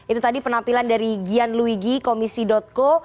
itu tadi penampilan dari gian luigi komisi co